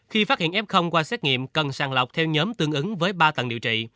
khi phát hiện f qua xét nghiệm cần sàng lọc theo nhóm tương ứng với ba tầng điều trị